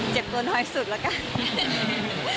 เจ็บตัวน้อยสุดแล้วกัน